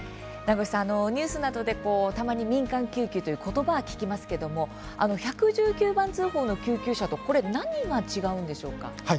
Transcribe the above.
名越さん、ニュースなどでたまに民間救急ということばは聞きますけれども１１９番通報の救急車と何が違うんでしょうか。